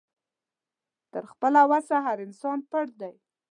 تر خپله وسه هر انسان پړ دی